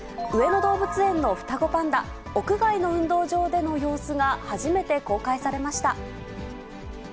上野動物園の双子パンダ、屋外の運動場での様子が初めて公開されました。